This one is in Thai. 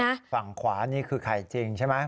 ฝั่งขวานี่คือไข่จริงใช่ไหม